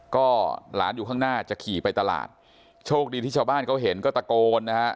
ก็หลานอยู่ข้างหน้าจะขี่ไปตลาดโชคดีที่ชาวบ้านเขาเห็นก็ตะโกนนะฮะ